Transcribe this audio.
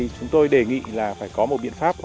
chúng tôi đề nghị là phải có một biện pháp